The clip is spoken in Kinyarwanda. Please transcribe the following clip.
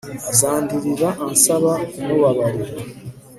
azandirira ansaba kumubabarira